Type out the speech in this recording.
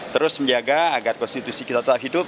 terus menjaga agar konstitusi kita tetap hidup